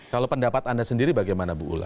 kalau pendapat anda sendiri bagaimana bu ula